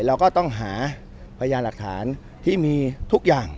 เราก็ต้องหาพยานหลักฐานที่มีทุกอย่าง